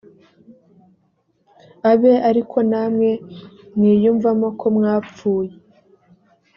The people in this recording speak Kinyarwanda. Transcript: abe ari ko namwe mwiyumvamo ko mwapfuye